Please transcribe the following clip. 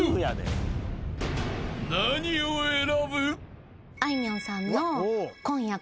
［何を選ぶ？］